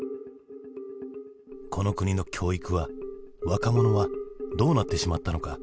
この国の教育は若者はどうなってしまったのか？